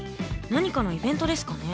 何かのイベントですかね。